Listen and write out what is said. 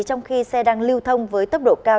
trong khi xe đang lưu thông với tốc độ cao